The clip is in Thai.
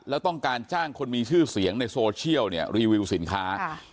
แล้วต้องการจ้างคนมีชื่อเสียงในโซเชียลเนี่ยรีวิวสินค้า